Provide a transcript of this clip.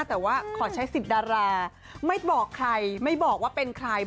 แต่ว่าขอใช้สิทธิ์ดาราไม่บอกใครไม่บอกว่าเป็นใคร